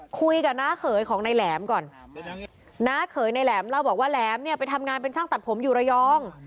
คุยกับน้าเขยของนายแหลมก่อนน้าเขยในแหลมเล่าบอกว่าแหลมเนี่ยไปทำงานเป็นช่างตัดผมอยู่ระยอง